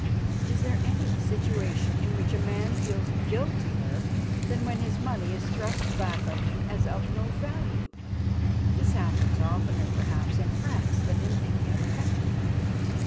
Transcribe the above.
Is there any situation in which a man feels guiltier than when his money is thrust back on him as of no value? This happens oftener, perhaps, in France than in any other country.